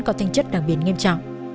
có tinh chất đặc biệt nghiêm trọng